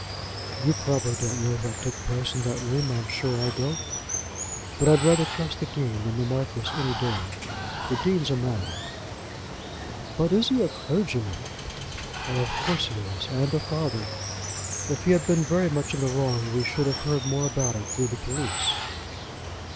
"You probably don't know what took place in that room. I'm sure I don't. But I'd rather trust the Dean than the Marquis any day. The Dean's a man!" "But is he a clergyman?" "Of course he is; and a father. If he had been very much in the wrong we should have heard more about it through the police."